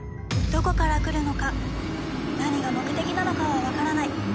どこから来るのか何が目的なのかはわからない。